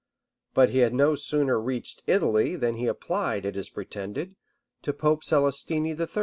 But he had no sooner reached Italy than he applied, it is pretended, to Pope Celestine III.